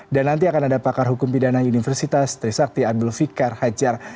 dan nanti akan ada pakar hukum pidana universitas trisakti abdul fikar hajar